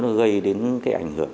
nó gây đến cái ảnh hưởng